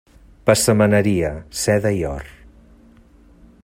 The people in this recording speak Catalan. Passamaneria: seda i or.